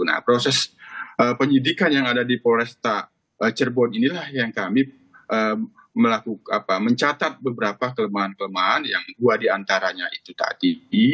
nah proses penyidikan yang ada di polresta cirebon inilah yang kami mencatat beberapa kelemahan kelemahan yang dua diantaranya itu tadi